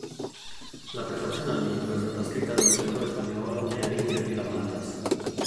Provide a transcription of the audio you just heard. La prefazione al libro è stata scritta dallo scrittore spagnolo Enrique Vila-Matas.